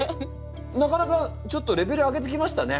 なかなかちょっとレベル上げてきましたね。